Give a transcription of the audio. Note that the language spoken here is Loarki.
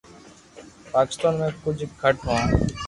پاڪستان مي ڪجھ گھٽ ھون